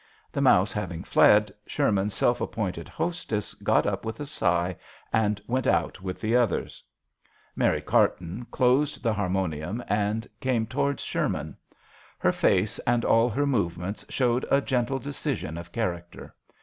The mouse having fled, Sher man's self appointed hostess got up with a sigh and went out with the others. Mary Carton closed the harmonium and came towards. 30 JOHN SHERMAN. Sherman. Her face and all her movements showed a gentle decision of character.